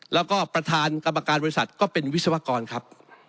แล้วก็ประธานกรรมการบริษัทก็เป็นวิศวกรครับ